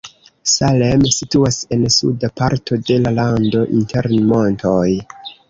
Salem situas en suda parto de la lando inter montoj.